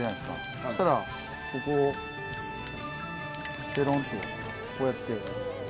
そしたらここをぺろんとこうやって。